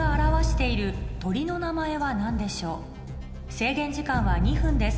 制限時間は２分です